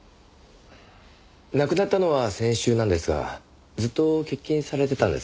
亡くなったのは先週なんですがずっと欠勤されてたんですか？